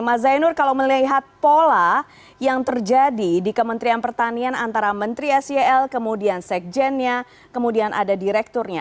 mas zainur kalau melihat pola yang terjadi di kementerian pertanian antara menteri sel kemudian sekjennya kemudian ada direkturnya